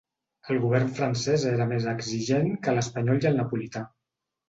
El govern francès era més exigent que l'espanyol i el napolità.